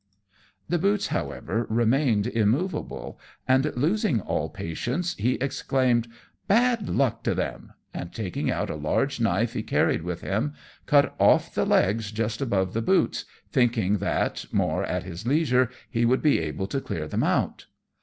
The boots, however, remained immoveable, and losing all patience, he exclaimed, "Bad luck to them!" and taking out a large knife he carried with him, cut off the legs just above the boots, thinking that, more at his leisure, he would be able to clear them out.